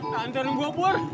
tahan darimu pur